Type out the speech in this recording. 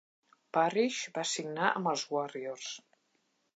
Parish va signar amb els Warriors.